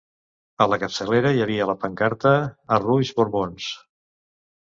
A la capçalera hi havia la pancarta ‘Arruix Borbons’.